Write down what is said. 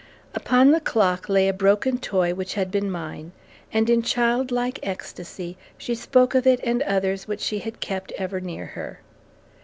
Upon the clock lay a broken toy which had been mine, and in childlike ecstasy she spoke of it and of others which she had kept ever near her.